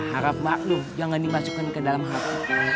harap maklum jangan dimasukkan ke dalam hati